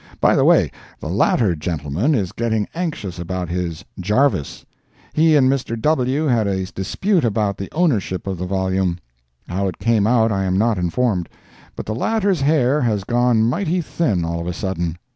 By the way, the latter gentleman is getting anxious about his "Jarvis." He and Mr. W. had a dispute about the ownership of the volume. How it came out I am not informed; but the latter's hair has got mighty thin all of a sudden.